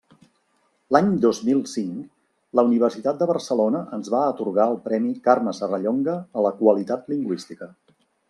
L'any dos mil cinc la Universitat de Barcelona ens va atorgar el premi Carme Serrallonga a la qualitat lingüística.